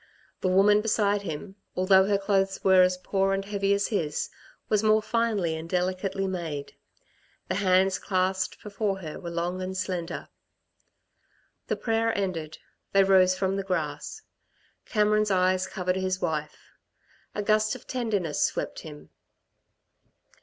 The woman beside him, although her clothes were as poor and heavy as his, was more finely and delicately made. The hands clasped before her were long and slender. The prayer ended, they rose from the grass. Cameron's eyes covered his wife. A gust of tenderness swept him.